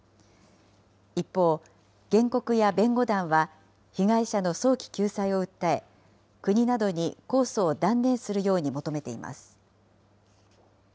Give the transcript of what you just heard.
一方、原告や弁護団は被害者の早期救済を訴え、国などに控訴を断念するように求めています。